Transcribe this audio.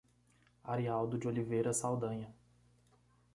Arialdo de Oliveira Saldanha